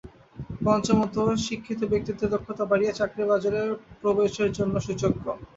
পঞ্চমত, শিক্ষিত ব্যক্তিদের দক্ষতা বাড়িয়ে চাকরির বাজারে প্রবেশের জন্য সুযোগ কম।